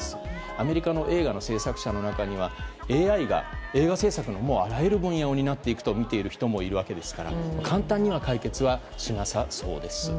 アメリカの映画の制作者の中にはＡＩが映画制作のあらゆる分野を担っていくとみている人もいるわけですから簡単には解決はしなさそうです。